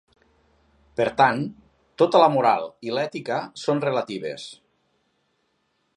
Per tant, tota la moral i l'ètica són relatives.